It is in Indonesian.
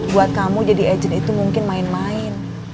buat kamu jadi agent itu mungkin main main